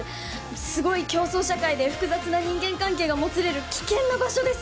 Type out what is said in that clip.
すごい競争社会で複雑な人間関係がもつれる危険な場所です